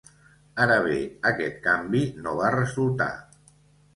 Ara bé, aquest canvi no va resultar.